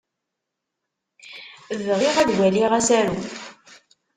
Bɣiɣ ad waliɣ asaru.